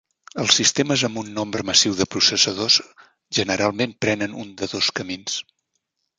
Els sistemes amb un nombre massiu de processadors generalment prenen un de dos camins.